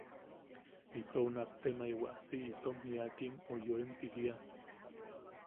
Itou nattemaiwa, si itom jiakim o yoim ti jiia.